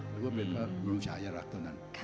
หรือว่าเป็นภาพบรมชายรักษ์ตอนนั้น